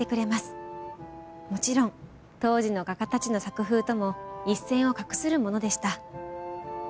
もちろん当時の画家たちの作風とも一線を画するものでした。